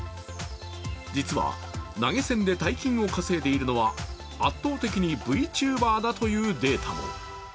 実は、投げ銭で大金を稼いでいるのは、圧倒的にＶチューバーだというデータも。